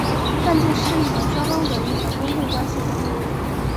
赞助是一种双方得益的公共关系活动。